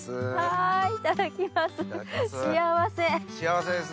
はいいただきます